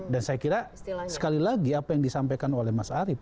dan saya kira sekali lagi apa yang disampaikan oleh mas arief